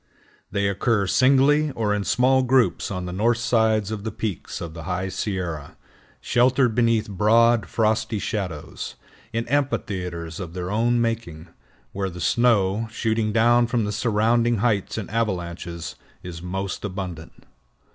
They occur singly or in small groups on the north sides of the peaks of the High Sierra, sheltered beneath broad frosty shadows, in amphitheaters of their own making, where the snow, shooting down from the surrounding heights in avalanches, is most abundant.